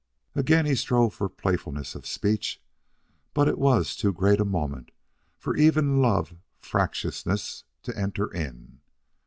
Again he strove for playfulness of speech, but it was too great a moment for even love fractiousness to enter in.